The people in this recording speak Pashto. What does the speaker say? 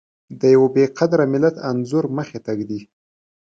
د يوه بې قدره ملت انځور مخې ته ږدي.